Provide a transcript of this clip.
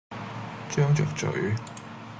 張着嘴，